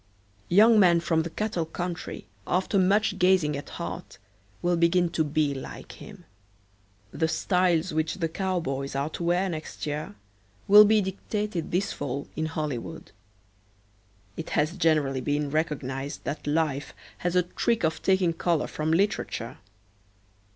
Young men from the cattle country, after much gazing at Hart, will begin to be like him. The styles which the cowboys are to wear next year will be dictated this fall in Hollywood. It has generally been recognized that life has a trick of taking color from literature.